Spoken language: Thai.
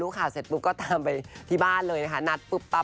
พอรู้ข่าวเสร็จแล้วก็ตามไปที่บ้านเลยนะฮะ